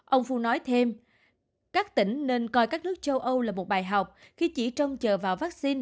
ông phu nói thêm các tỉnh nên coi các nước châu âu là một bài học khi chỉ trông chờ vào vaccine